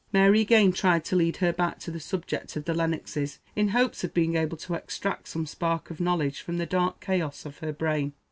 Mary again tried to lead her back to the subject of the Lennoxes, in hopes of being able to extract some spark of knowledge from the dark chaos of her brain.